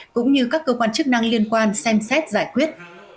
cũng như các cơ quan chức năng liên quan xem xét giải quyết